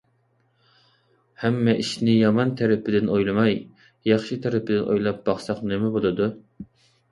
ھەممە ئىشنى يامان تەرىپىدىن ئويلىماي، ياخشى تەرىپىدىن ئويلاپ باقساق نېمە بولىدۇ؟